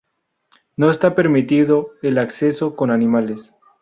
No está permitido el acceso con animales.